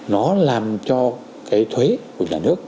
nó làm cho cái thuế của nhà nước